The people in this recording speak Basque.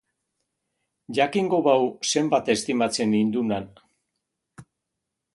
Jakingo bahu zenbat estimatzen hindunan!